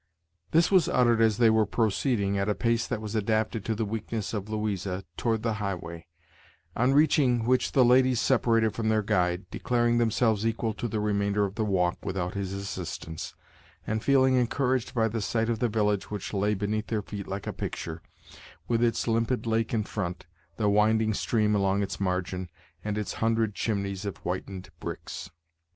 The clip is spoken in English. This was uttered as they were proceeding, at a pace that was adapted to the weakness of Louisa, toward the highway; on reaching which the ladies separated from their guide, declaring themselves equal to the remainder of the walk without his assistance, and feeling encouraged by the sight of the village which lay beneath their feet like a picture, with its limpid lake in front, the winding stream along its margin, and its hundred chimneys of whitened bricks.